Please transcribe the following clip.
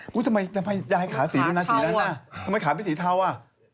กูทำไมยายขาสีด้วยนะทำไมขาเป็นสีเทา